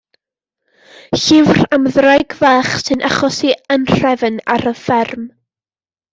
Llyfr am ddraig fach sy'n achosi anrhefn ar y fferm.